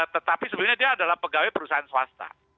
tetapi sebenarnya dia adalah pegawai perusahaan swasta